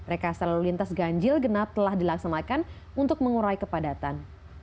rekasa lalu lintas ganjil genap telah dilaksanakan untuk mengurai kepadatan